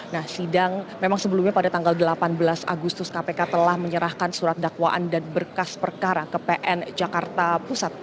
nah sidang memang sebelumnya pada tanggal delapan belas agustus kpk telah menyerahkan surat dakwaan dan berkas perkara ke pn jakarta pusat